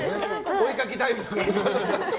お絵かきタイム。